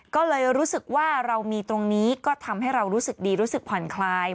ก็เลยรู้สึกว่าเรามีตรงนี้ก็ทำให้เรารู้สึกดีรู้สึกผ่อนคลาย